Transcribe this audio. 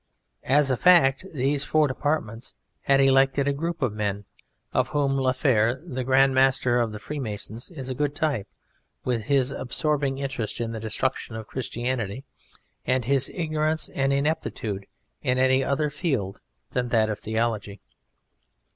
As a fact, these four departments had elected a group of men, of whom Laferre, the Grand Master of the Freemasons, is a good type, with his absorbing interest in the destruction of Christianity, and his ignorance and ineptitude in any other field than that of theology.